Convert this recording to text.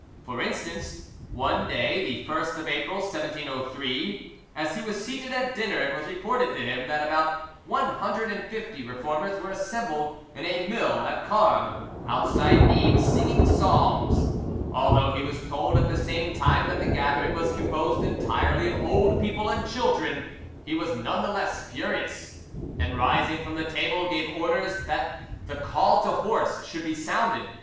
For instance, one day—the 1st of April 1703—as he was seated at dinner it was reported to him that about one hundred and fifty Reformers were assembled in a mill at Carmes, outside Nimes, singing psalms. Although he was told at the same time that the gathering was composed entirely of old people and children, he was none the less furious, and rising from the table, gave orders that the call to horse should be sounded.